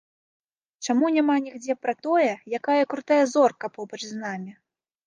Чаму няма нідзе пра тое, якая крутая зорка побач з намі?